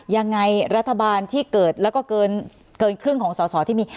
ยังไงรัฐบาลที่เกิดแล้วก็เกินครึ่งของสอสอที่มี